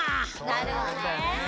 なるほどね。